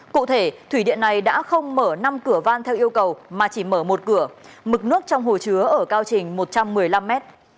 cụ thể thủy điện này đã không mở năm cửa van theo yêu cầu mà chỉ mở một cửa mực nước trong hồ chứa ở cao trình một trăm một mươi năm mét